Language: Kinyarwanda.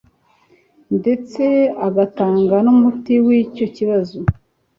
ndetse agatanga n'umuti w'icyo kibazo